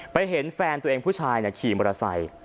เห็นแฟนตัวเองผู้ชายขี่มอเตอร์ไซค์